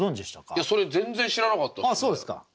いやそれ全然知らなかったっすね。